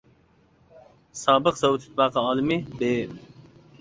سابىق سوۋېت ئىتتىپاقى ئالىمى ب .